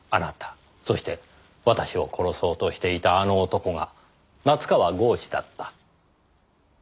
そして私を殺そうとしていた「あの男」が夏河郷士だった。